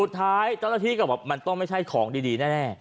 สุดท้ายเจ้าหน้าที่ก็บอกว่ามันต้องไม่ใช่ของดีแน่